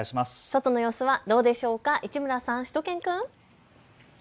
外の様子はどうでしょうか、市村さん、しゅと犬くん。